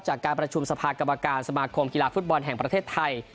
จากการประชุมสภากรรมการสมาคมกีฬาฟุตบอลแห่งประเทศไทย